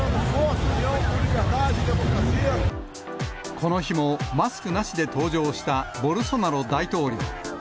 この日もマスクなしで登場したボルソナロ大統領。